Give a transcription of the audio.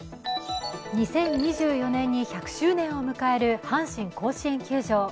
２０２４年に１００周年を迎える阪神甲子園球場。